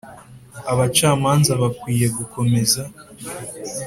abacamanza bakwiye gukomeza